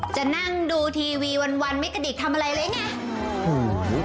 จะนั่งดูทีวีวันไม่กระดิกทำอะไรเลยไง